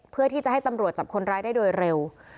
เพื่อที่จะให้ตำรวจจับคนร้ายได้โดยเร็ว